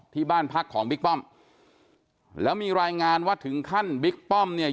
ที่บ้านพักของบิ๊กป้อมแล้วมีรายงานว่าถึงขั้นบิ๊กป้อมเนี่ย